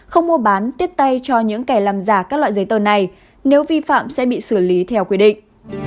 không mua bán tiếp tay cho những kẻ làm giả các loại giấy tờ này nếu vi phạm sẽ bị xử lý theo quy định